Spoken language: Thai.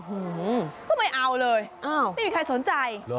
ก็ไม่เอาเลยไม่มีใครสนใจ